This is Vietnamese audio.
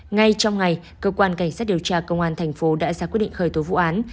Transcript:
ngay trong ngày cơ quan cảnh sát điều tra công an thành phố đã ra quyết định khởi tố vụ án